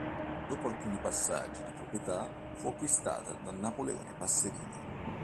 Dopo alcuni passaggi di proprietà fu acquistata da Napoleone Passerini.